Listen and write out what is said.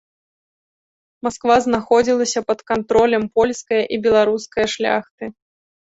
Масква знаходзілася пад кантролем польскае і беларускае шляхты.